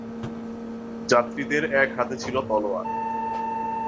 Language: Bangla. যারীদের এক হাতে ছিল তলোয়ার।